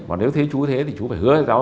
còn nếu thế chú thế thì chú phải hứa với cháu